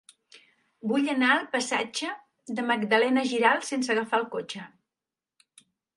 Vull anar al passatge de Magdalena Giralt sense agafar el cotxe.